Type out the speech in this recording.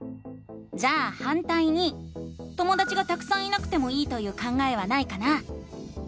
じゃあ「反対に」ともだちがたくさんいなくてもいいという考えはないかな？